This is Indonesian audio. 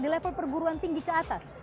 di level perguruan tinggi ke atas